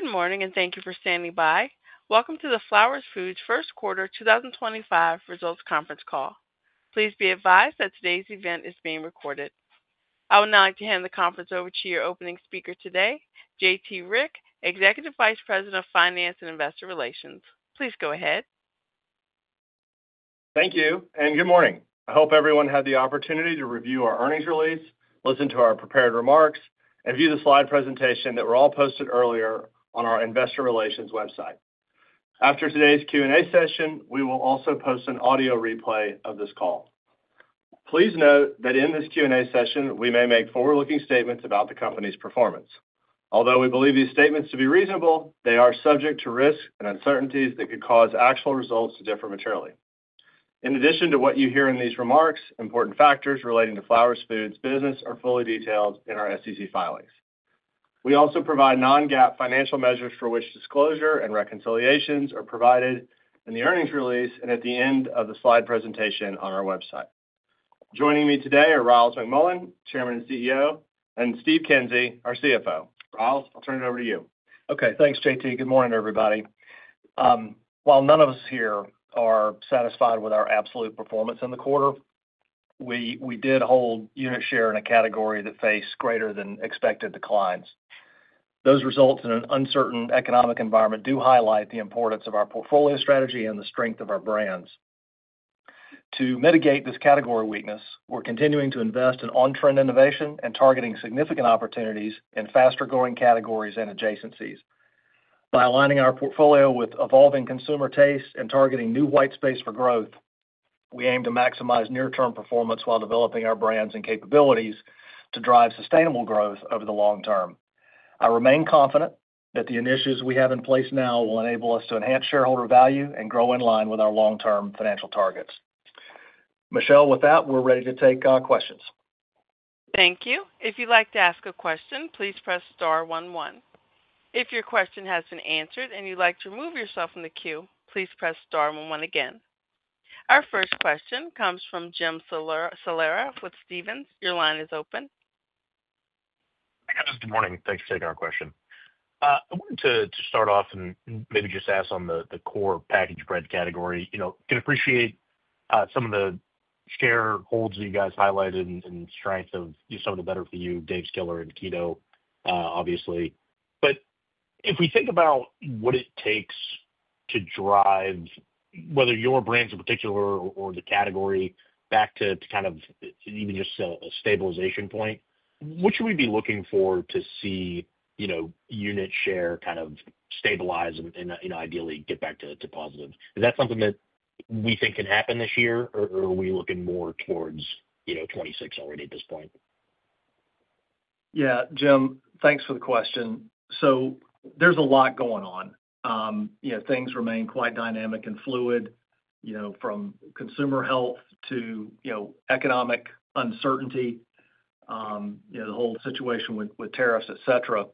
Good morning and thank you for standing by. Welcome to the Flowers Foods' first quarter 2025 results conference call. Please be advised that today's event is being recorded. I would now like to hand the conference over to your opening speaker today, JT Rieck, Executive Vice President of Finance and Investor Relations. Please go ahead. Thank you and good morning. I hope everyone had the opportunity to review our earnings release, listen to our prepared remarks, and view the slide presentation that were all posted earlier on our Investor Relations website. After today's Q&A session, we will also post an audio replay of this call. Please note that in this Q&A session, we may make forward-looking statements about the company's performance. Although we believe these statements to be reasonable, they are subject to risks and uncertainties that could cause actual results to differ materially. In addition to what you hear in these remarks, important factors relating to Flowers Foods' business are fully detailed in our SEC filings. We also provide non-GAAP financial measures for which disclosure and reconciliations are provided in the earnings release and at the end of the slide presentation on our website. Joining me today are Ryals McMullian, Chairman and CEO, and Steve Kinsey, our CFO. Ryals, I'll turn it over to you. Okay, thanks, JT Good morning, everybody. While none of us here are satisfied with our absolute performance in the quarter, we did hold unit share in a category that faced greater-than-expected declines. Those results in an uncertain economic environment do highlight the importance of our portfolio strategy and the strength of our brands. To mitigate this category weakness, we're continuing to invest in on-trend innovation and targeting significant opportunities in faster-growing categories and adjacencies. By aligning our portfolio with evolving consumer tastes and targeting new white space for growth, we aim to maximize near-term performance while developing our brands and capabilities to drive sustainable growth over the long term. I remain confident that the initiatives we have in place now will enable us to enhance shareholder value and grow in line with our long-term financial targets. Michelle, with that, we're ready to take questions. Thank you. If you'd like to ask a question, please press star one one. If your question has been answered and you'd like to remove yourself from the queue, please press star one one again. Our first question comes from Jim Salera with Stephens. Your line is open. Hi, guys. Good morning. Thanks for taking our question. I wanted to start off and maybe just ask on the core package bread category. I can appreciate some of the share losses that you guys highlighted and strengths of some of the better-for-you, Dave's Killer and Keto, obviously. If we think about what it takes to drive whether your brands in particular or the category back to kind of even just a stabilization point, what should we be looking for to see unit share kind of stabilize and ideally get back to positive? Is that something that we think can happen this year, or are we looking more towards 2026 already at this point? Yeah, Jim, thanks for the question. There's a lot going on. Things remain quite dynamic and fluid from consumer health to economic uncertainty, the whole situation with tariffs, etc.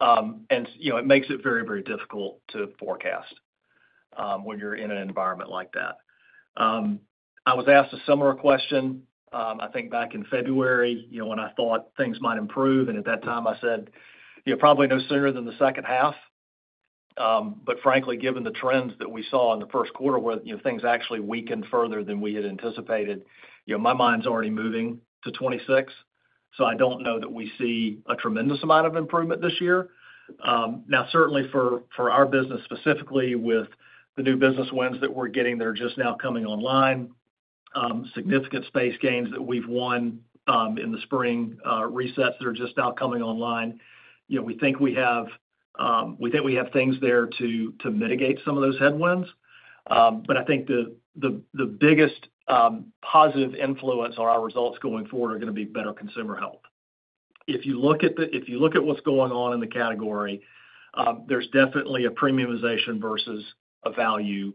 It makes it very, very difficult to forecast when you're in an environment like that. I was asked a similar question, I think, back in February when I thought things might improve. At that time, I said, "Probably no sooner than the second half." Frankly, given the trends that we saw in the first quarter where things actually weakened further than we had anticipated, my mind's already moving to 2026. I don't know that we see a tremendous amount of improvement this year. Now, certainly for our business, specifically with the new business wins that we're getting that are just now coming online, significant space gains that we've won in the spring, resets that are just now coming online, we think we have things there to mitigate some of those headwinds. I think the biggest positive influence on our results going forward are going to be better consumer health. If you look at what's going on in the category, there's definitely a premiumization versus a value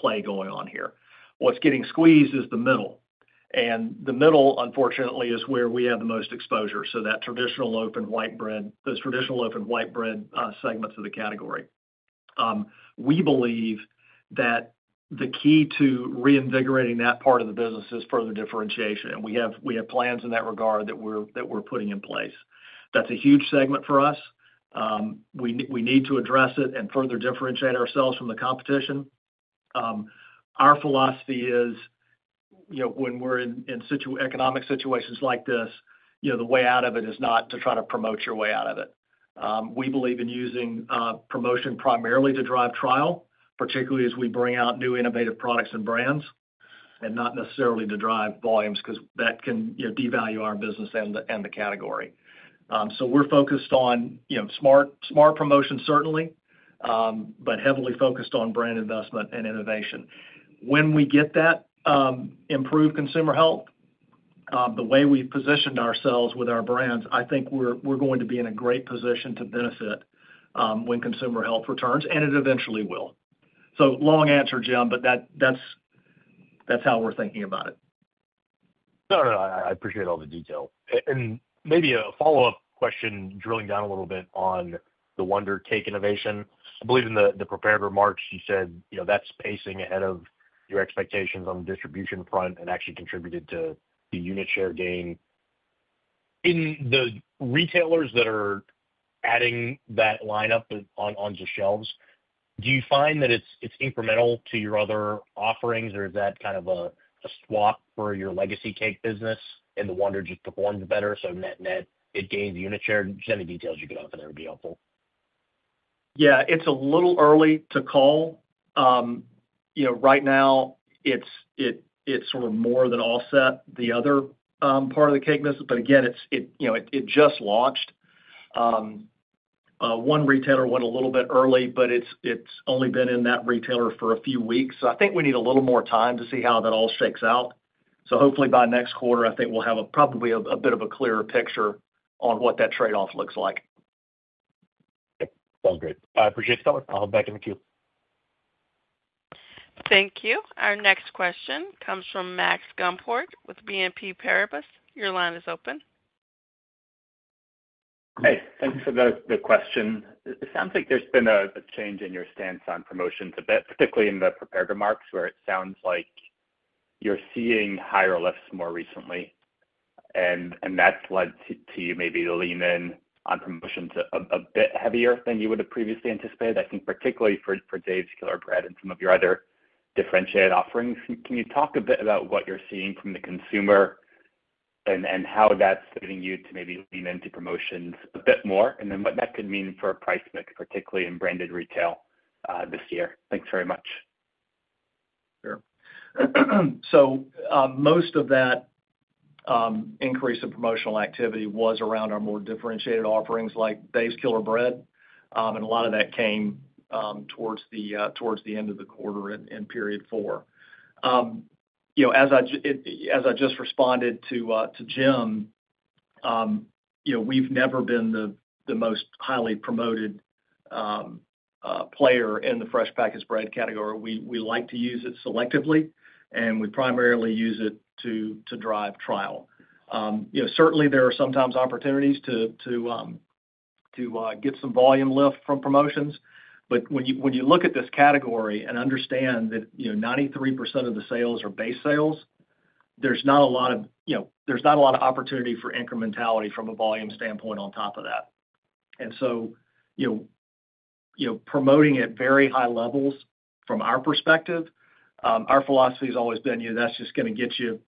play going on here. What's getting squeezed is the middle. The middle, unfortunately, is where we have the most exposure. That traditional open white bread, those traditional open white bread segments of the category. We believe that the key to reinvigorating that part of the business is further differentiation. We have plans in that regard that we're putting in place. That's a huge segment for us. We need to address it and further differentiate ourselves from the competition. Our philosophy is when we're in economic situations like this, the way out of it is not to try to promote your way out of it. We believe in using promotion primarily to drive trial, particularly as we bring out new innovative products and brands, and not necessarily to drive volumes because that can devalue our business and the category. We are focused on smart promotion, certainly, but heavily focused on brand investment and innovation. When we get that improved consumer health, the way we've positioned ourselves with our brands, I think we're going to be in a great position to benefit when consumer health returns, and it eventually will. Long answer, Jim, but that's how we're thinking about it. No, no, no. I appreciate all the detail. Maybe a follow-up question drilling down a little bit on the Wonder cake innovation. I believe in the prepared remarks, you said that's pacing ahead of your expectations on the distribution front and actually contributed to the unit share gain. In the retailers that are adding that lineup onto shelves, do you find that it's incremental to your other offerings, or is that kind of a swap for your legacy cake business and the Wonder just performs better? Net-net, it gains unit share. Any details you could offer would be helpful. Yeah, it's a little early to call. Right now, it's sort of more than offset the other part of the cake business. Again, it just launched. One retailer went a little bit early, but it's only been in that retailer for a few weeks. I think we need a little more time to see how that all shakes out. Hopefully, by next quarter, I think we'll have probably a bit of a clearer picture on what that trade-off looks like. Sounds great. I appreciate the help. I'll back in the queue. Thank you. Our next question comes from Max Gumport with BNP Paribas. Your line is open. Hey, thanks for the question. It sounds like there's been a change in your stance on promotions a bit, particularly in the prepared remarks where it sounds like you're seeing higher lifts more recently. That has led you maybe to lean in on promotions a bit heavier than you would have previously anticipated. I think particularly for Dave's Killer Bread and some of your other differentiated offerings. Can you talk a bit about what you're seeing from the consumer and how that's leading you to maybe lean into promotions a bit more and then what that could mean for price mix, particularly in branded retail this year? Thanks very much. Sure. Most of that increase in promotional activity was around our more differentiated offerings like Dave's Killer Bread. A lot of that came towards the end of the quarter and period four. As I just responded to Jim, we've never been the most highly promoted player in the fresh packaged bread category. We like to use it selectively, and we primarily use it to drive trial. Certainly, there are sometimes opportunities to get some volume lift from promotions. When you look at this category and understand that 93% of the sales are base sales, there's not a lot of opportunity for incrementality from a volume standpoint on top of that. Promoting at very high levels from our perspective, our philosophy has always been that's just going to get you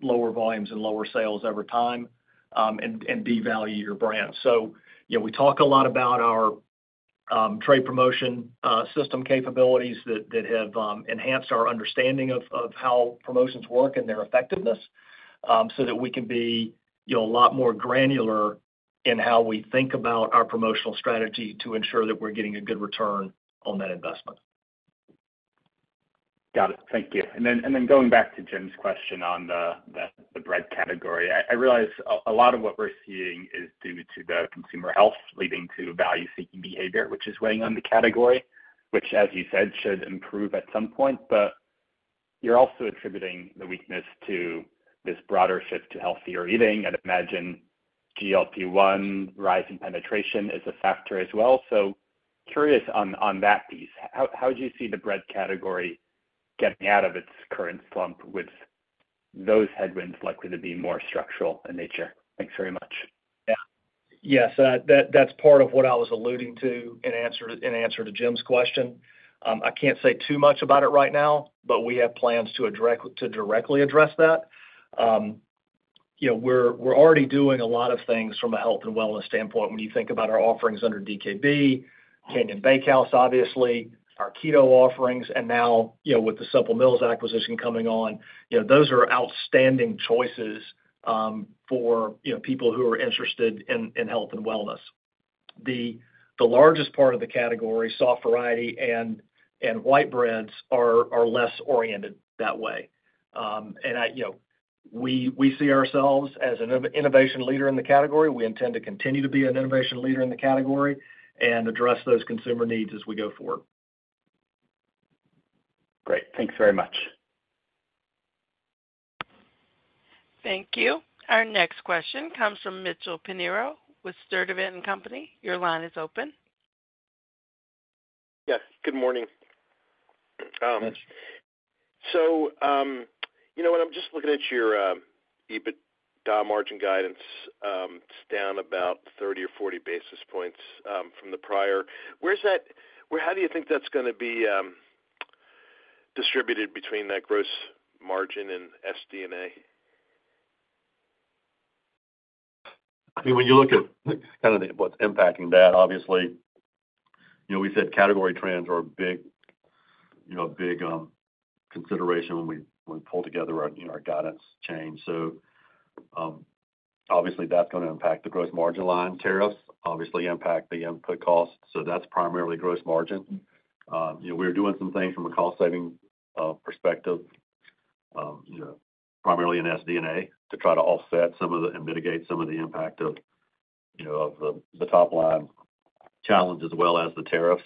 lower volumes and lower sales over time and devalue your brand. We talk a lot about our trade promotion system capabilities that have enhanced our understanding of how promotions work and their effectiveness so that we can be a lot more granular in how we think about our promotional strategy to ensure that we're getting a good return on that investment. Got it. Thank you. Then going back to Jim's question on the bread category, I realize a lot of what we're seeing is due to the consumer health leading to value-seeking behavior, which is weighing on the category, which, as you said, should improve at some point. You're also attributing the weakness to this broader shift to healthier eating. I'd imagine GLP-1 rise in penetration is a factor as well. Curious on that piece. How would you see the bread category getting out of its current slump with those headwinds likely to be more structural in nature? Thanks very much. Yeah. Yeah. That is part of what I was alluding to in answer to Jim's question. I cannot say too much about it right now, but we have plans to directly address that. We are already doing a lot of things from a health and wellness standpoint when you think about our offerings under DKB, Canyon Bakehouse, obviously, our keto offerings. Now with the Simple Mills acquisition coming on, those are outstanding choices for people who are interested in health and wellness. The largest part of the category, soft variety and white breads, are less oriented that way. We see ourselves as an innovation leader in the category. We intend to continue to be an innovation leader in the category and address those consumer needs as we go forward. Great. Thanks very much. Thank you. Our next question comes from Mitchell Pinheiro with Sturdivant & Company. Your line is open. Yes. Good morning. When I'm just looking at your EBITDA margin guidance, it's down about 30 or 40 basis points from the prior. How do you think that's going to be distributed between that gross margin and SD&A? I mean, when you look at kind of what's impacting that, obviously, we said category trends are a big consideration when we pull together our guidance chain. Obviously, that's going to impact the gross margin line. Tariffs obviously impact the input costs. That's primarily gross margin. We're doing some things from a cost-saving perspective, primarily in SD&A, to try to offset and mitigate some of the impact of the top-line challenge as well as the tariffs.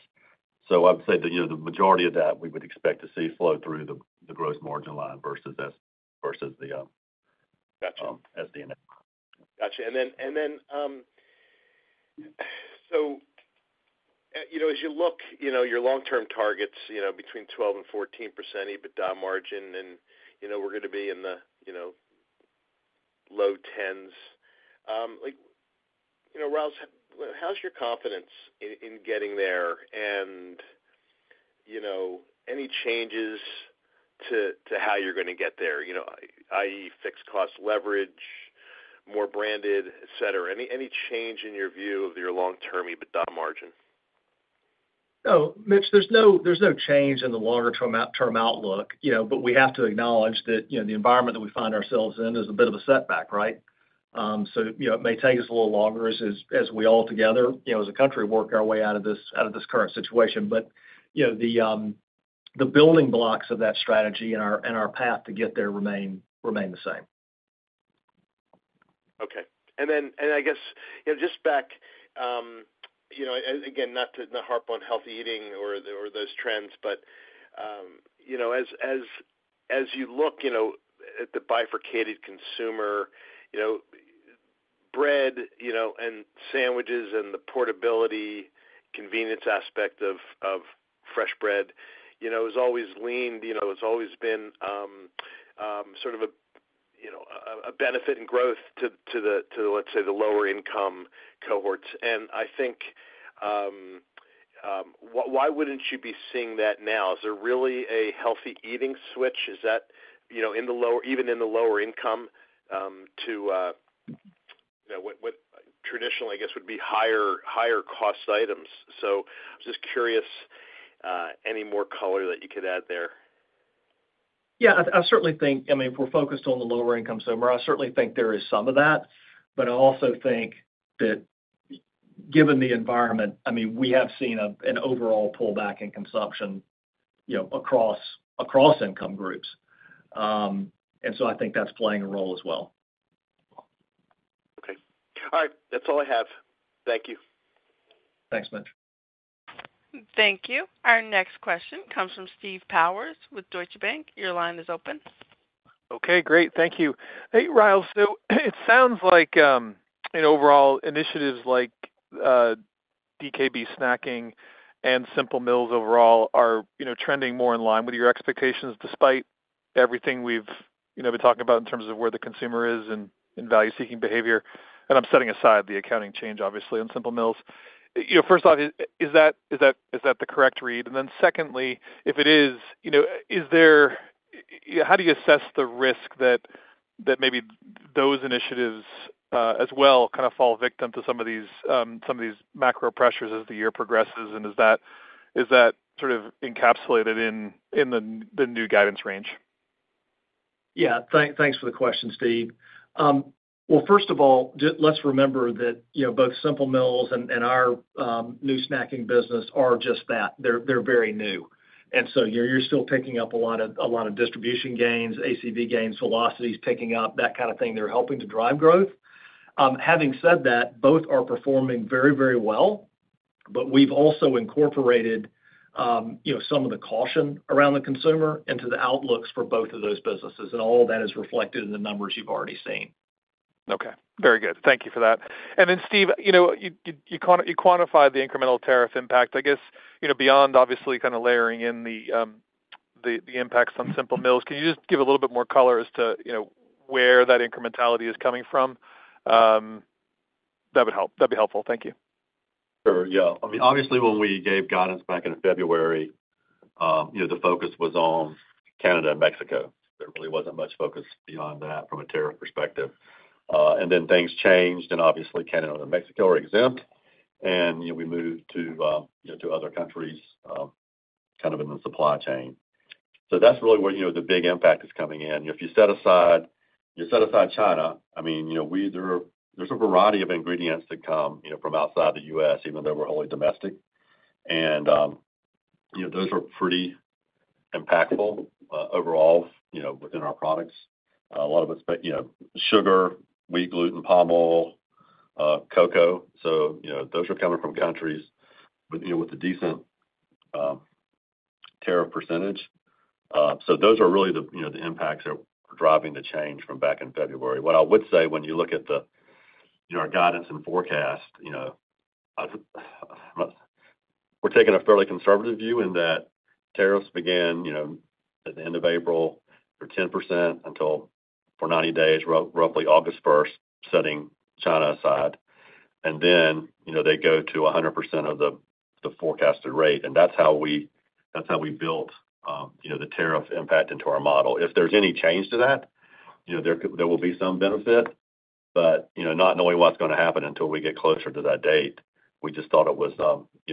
I would say that the majority of that we would expect to see flow through the gross margin line versus the SD&A. Gotcha. And then as you look at your long-term targets between 12% and 14% EBITDA margin, and we're going to be in the low 10s. Ryals, how's your confidence in getting there? Any changes to how you're going to get there, i.e., fixed cost leverage, more branded, etc.? Any change in your view of your long-term EBITDA margin? Oh, Mitch, there's no change in the longer-term outlook. We have to acknowledge that the environment that we find ourselves in is a bit of a setback, right? It may take us a little longer as we all together, as a country, work our way out of this current situation. The building blocks of that strategy and our path to get there remain the same. Okay. I guess just back, again, not to harp on healthy eating or those trends, but as you look at the bifurcated consumer, bread and sandwiches and the portability, convenience aspect of fresh bread has always leaned, it's always been sort of a benefit and growth to, let's say, the lower-income cohorts. I think, why wouldn't you be seeing that now? Is there really a healthy eating switch? Is that even in the lower income to what traditionally, I guess, would be higher-cost items? I'm just curious any more color that you could add there. Yeah. I certainly think, I mean, if we're focused on the lower-income segment, I certainly think there is some of that. I also think that given the environment, I mean, we have seen an overall pullback in consumption across income groups. I think that's playing a role as well. Okay. All right. That's all I have. Thank you. Thanks, Mitch. Thank you. Our next question comes from Steve Powers with Deutsche Bank. Your line is open. Okay. Great. Thank you. Hey, Ryals. It sounds like overall initiatives like DKB snacking and Simple Mills overall are trending more in line with your expectations despite everything we've been talking about in terms of where the consumer is and value-seeking behavior. I'm setting aside the accounting change, obviously, on Simple Mills. First off, is that the correct read? Secondly, if it is, how do you assess the risk that maybe those initiatives as well kind of fall victim to some of these macro pressures as the year progresses? Is that sort of encapsulated in the new guidance range? Yeah. Thanks for the question, Steve. First of all, let's remember that both Simple Mills and our new snacking business are just that. They're very new. You're still picking up a lot of distribution gains, ACV gains, velocities picking up, that kind of thing. They're helping to drive growth. Having said that, both are performing very, very well. We've also incorporated some of the caution around the consumer into the outlooks for both of those businesses. All of that is reflected in the numbers you've already seen. Okay. Very good. Thank you for that. Steve, you quantified the incremental tariff impact. I guess beyond, obviously, kind of layering in the impacts on Simple Mills, can you just give a little bit more color as to where that incrementality is coming from? That would help. That'd be helpful. Thank you. Sure. Yeah. I mean, obviously, when we gave guidance back in February, the focus was on Canada and Mexico. There really was not much focus beyond that from a tariff perspective. Things changed. Obviously, Canada and Mexico are exempt. We moved to other countries kind of in the supply chain. That is really where the big impact is coming in. If you set aside China, I mean, there is a variety of ingredients that come from outside the U.S., even though we are wholly domestic. Those are pretty impactful overall within our products. A lot of it is sugar, wheat, gluten, palm oil, cocoa. Those are coming from countries with a decent tariff percentage. Those are really the impacts that are driving the change from back in February. What I would say when you look at our guidance and forecast, we're taking a fairly conservative view in that tariffs began at the end of April for 10% until for 90 days, roughly August 1st, setting China aside. They go to 100% of the forecasted rate. That's how we built the tariff impact into our model. If there's any change to that, there will be some benefit. Not knowing what's going to happen until we get closer to that date, we just thought it was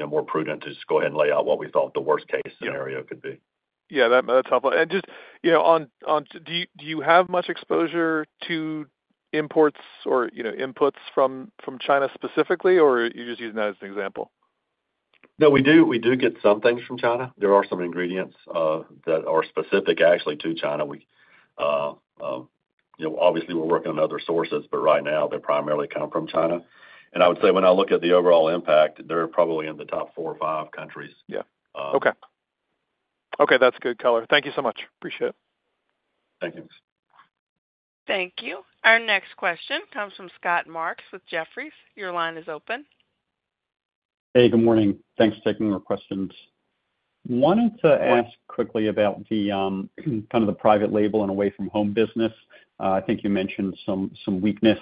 more prudent to just go ahead and lay out what we thought the worst-case scenario could be. Yeah. That's helpful. And just on, do you have much exposure to imports or inputs from China specifically, or are you just using that as an example? No, we do get some things from China. There are some ingredients that are specific actually to China. Obviously, we're working on other sources, but right now, they're primarily coming from China. I would say when I look at the overall impact, they're probably in the top four or five countries. Yeah. Okay. Okay. That's good color. Thank you so much. Appreciate it. Thank you. Thank you. Our next question comes from Scott Marks with Jefferies. Your line is open. Hey, good morning. Thanks for taking our questions. Wanted to ask quickly about kind of the private label and away-from-home business. I think you mentioned some weakness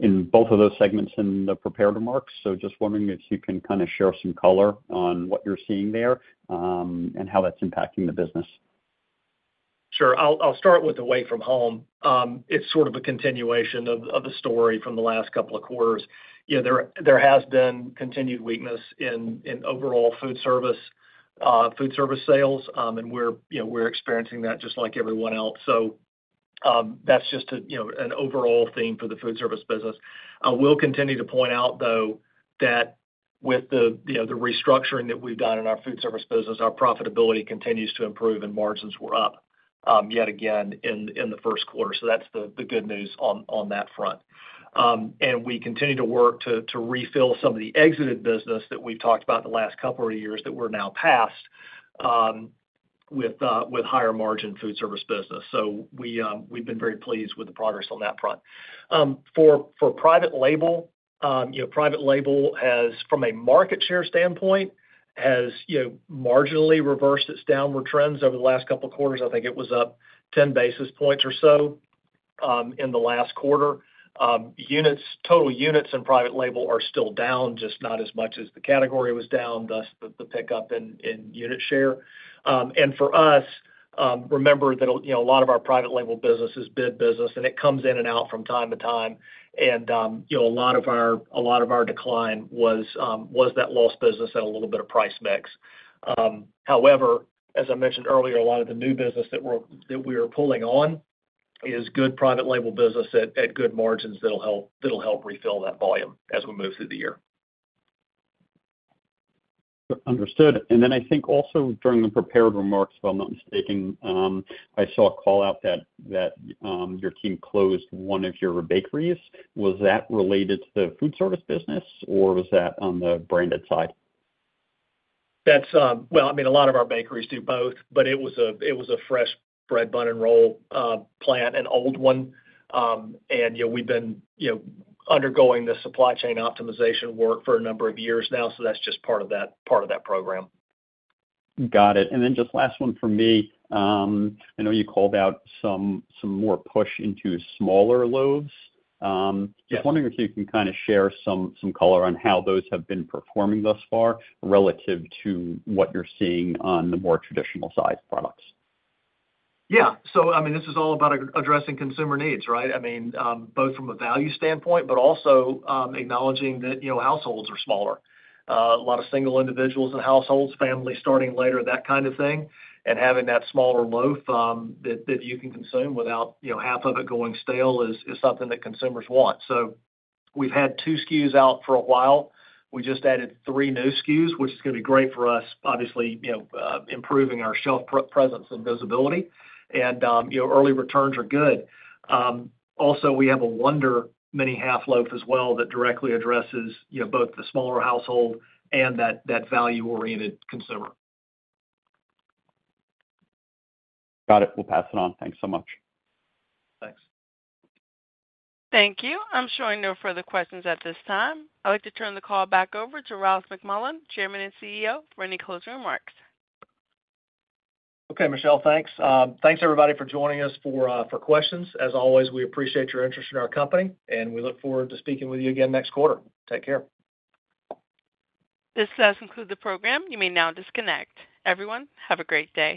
in both of those segments in the prepared remarks. Just wondering if you can kind of share some color on what you're seeing there and how that's impacting the business. Sure. I'll start with away from home. It's sort of a continuation of the story from the last couple of quarters. There has been continued weakness in overall food service sales. We're experiencing that just like everyone else. That's just an overall theme for the food service business. I will continue to point out, though, that with the restructuring that we've done in our food service business, our profitability continues to improve and margins were up yet again in the first quarter. That's the good news on that front. We continue to work to refill some of the exited business that we've talked about the last couple of years that we're now past with higher-margin food service business. We've been very pleased with the progress on that front. For private label, from a market share standpoint, has marginally reversed its downward trends over the last couple of quarters. I think it was up 10 basis points or so in the last quarter. Total units in private label are still down, just not as much as the category was down, thus the pickup in unit share. For us, remember that a lot of our private label business is bid business, and it comes in and out from time to time. A lot of our decline was that lost business at a little bit of price mix. However, as I mentioned earlier, a lot of the new business that we are pulling on is good private label business at good margins that'll help refill that volume as we move through the year. Understood. I think also during the prepared remarks, if I'm not mistaken, I saw a call out that your team closed one of your bakeries. Was that related to the food service business, or was that on the branded side? I mean, a lot of our bakeries do both, but it was a fresh bread, bun, and roll plant, an old one. And we've been undergoing the supply chain optimization work for a number of years now. So that's just part of that program. Got it. And then just last one for me. I know you called out some more push into smaller loaves. Just wondering if you can kind of share some color on how those have been performing thus far relative to what you're seeing on the more traditional-sized products. Yeah. So I mean, this is all about addressing consumer needs, right? I mean, both from a value standpoint, but also acknowledging that households are smaller. A lot of single individuals and households, families starting later, that kind of thing. Having that smaller loaf that you can consume without half of it going stale is something that consumers want. We have had two SKUs out for a while. We just added three new SKUs, which is going to be great for us, obviously, improving our shelf presence and visibility. Early returns are good. Also, we have a Wonder Mini Half Loaf as well that directly addresses both the smaller household and that value-oriented consumer. Got it. We'll pass it on. Thanks so much. Thanks. Thank you. I'm showing no further questions at this time. I'd like to turn the call back over to Ryals McMullian, Chairman and CEO, for any closing remarks. Okay, Michelle, thanks. Thanks, everybody, for joining us for questions. As always, we appreciate your interest in our company. We look forward to speaking with you again next quarter. Take care. This does conclude the program. You may now disconnect. Everyone, have a great day.